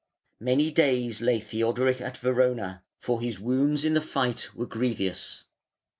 Many days lay Theodoric at Verona, for his wounds in the fight were grevious.